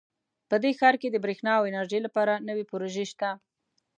په دې ښار کې د بریښنا او انرژۍ لپاره نوي پروژې شته